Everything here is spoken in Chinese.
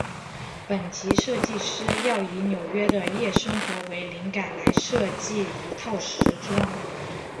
本集设计师要以纽约的夜生活为灵感来设计一套时装。